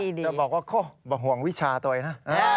ดีนะครับเดี๋ยวบอกว่าโค่ไม่ห่วงวิชาตัวเองนะ